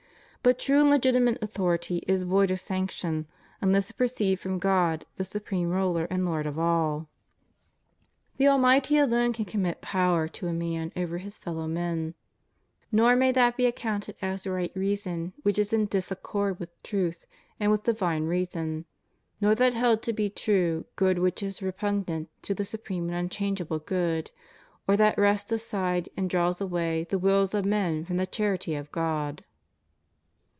But true and legitimate authority is void of sanction, unless it proceed from God the supreme Ruler and Lord of all. The Almighty alone can commit power to a man over his fellow men; nor may that be accounted as right reason which is in disaccord with truth and with divine reason; nor that held to be true good which is re pugnant to the supreme and unchangeable good, or that wrests aside and draws away the wills of men from the charity of God.